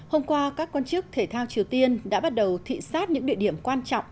hôm qua các quan chức thể thao triều tiên đã bắt đầu thị xác những địa điểm quan trọng